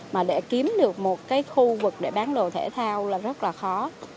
mà để kiếm được một cái khu vực để bán đồ thể thao là rất là khó